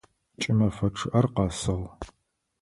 Кӏымэфэ чъыӏэр къэсыгъ.